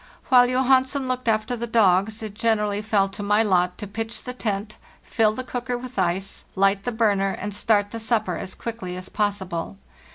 While Johansen looked after the dogs, it generally fell to my lot to pitch the tent, fill the cooker with ice, hght the burner, and start the supper as quickly as possible.